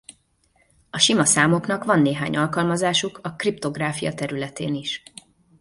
A sima számoknak van néhány alkalmazásuk a kriptográfia területén is.